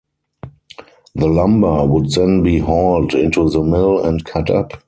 The lumber would then be hauled into the mill and cut up.